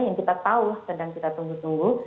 yang kita tahu sedang kita tunggu tunggu